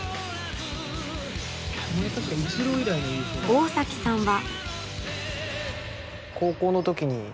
大さんは。